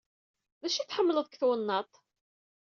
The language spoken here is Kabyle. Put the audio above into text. D acu ay tḥemmleḍ deg twennaḍt?